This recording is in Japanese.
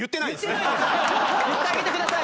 言ってあげてください。